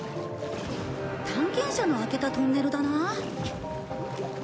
探検車の開けたトンネルだな。